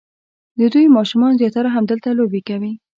د دوی ماشومان زیاتره همدلته لوبې کوي.